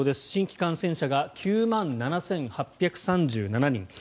新規感染者が９万７８３７人。